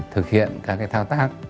thực hiện các thao tác